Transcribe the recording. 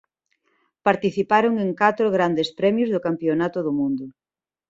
Participaron en catro Grandes Premios do Campionato do Mundo.